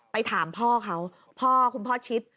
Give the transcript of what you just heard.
ไปถามพ่อเขาพ่อคุณพ่อชิด